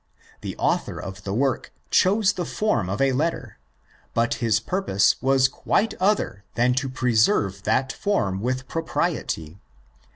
The author of the work chose the form of ἃ letter; but his purpose was quite other than to preserve that form with propriety.